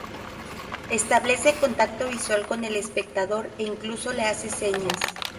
Establece contacto visual con el espectador e incluso le hace señas.